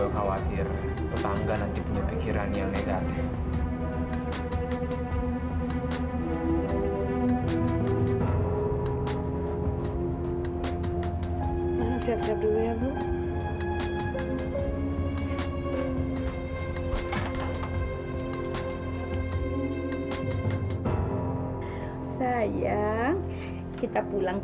aku tahu ketika dia ketemu aku dalam keluarga apa mereka hanya jauh bekerja ketemu langsam